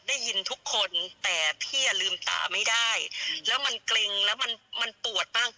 ได้ยินทุกคนแต่พี่อ่ะลืมตาไม่ได้แล้วมันเกร็งแล้วมันมันปวดมาก